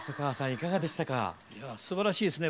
いやすばらしいですね。